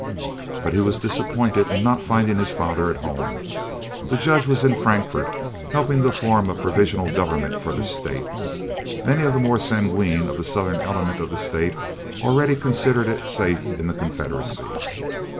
But he was disappointed in not finding his father at home. The Judge was in Frankfort, helping to form a provisional government for the state. Many of the more sanguine of the Southern element of the state already considered it safe in the Confederacy.